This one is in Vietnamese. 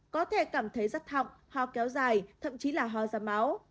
có thể cảm thấy rất thọng ho kéo dài thậm chí là ho ra máu